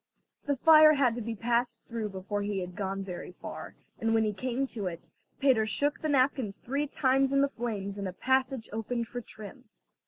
The fire had to be passed through before he had gone very far, and when he came to it, Peter shook the napkins three times in the flames and a passage opened for trim.